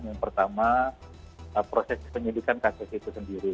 yang pertama proses penyidikan kasus itu sendiri